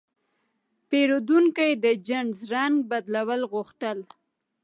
پیرودونکی د جنس رنګ بدلول غوښتل.